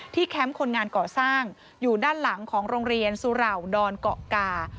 แคมป์คนงานก่อสร้างอยู่ด้านหลังของโรงเรียนสุเหล่าดอนเกาะกา